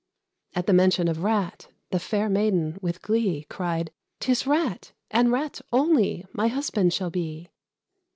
At the mention of Rat, the fair Maiden, with glee, Cried, "'Tis Rat, and Rat only, my husband shall be!"